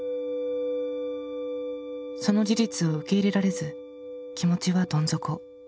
その事実を受け入れられず気持ちはどん底。